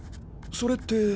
それって。